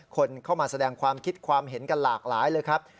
คนเข้ามาแสดงความคิดความเห็นกันหลากหลายเลยครับ